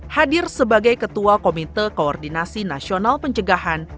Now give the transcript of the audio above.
hadir sebagai ketua komite koordinasi nasional pencegahan